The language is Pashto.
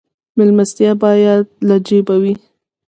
میلمستیا باید له جیبه وي